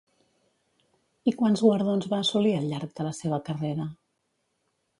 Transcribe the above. I quants guardons va assolir al llarg de la seva carrera?